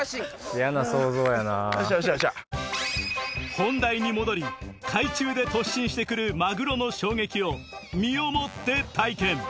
本題に戻り海中で突進して来るマグロの衝撃を身をもって体験